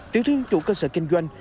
tiểu thương chủ cơ sở kinh doanh